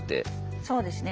そうですね